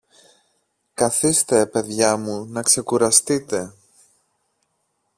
Καθήστε, παιδιά μου, να ξεκουραστείτε.